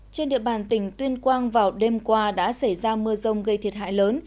trên địa bàn tỉnh tuyên quang vào đêm qua đã xảy ra mưa rông gây thiệt hại lớn